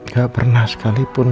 gak pernah sekalipun